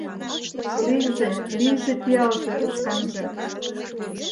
Лийже, лийже пиалже ышканже.